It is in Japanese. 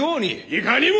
いかにも！